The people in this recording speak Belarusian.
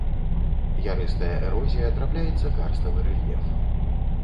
Ярыстая эрозія, трапляецца карставы рэльеф.